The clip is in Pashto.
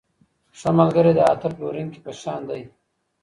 ښه ملګری د عطر پلورونکي په شان دی.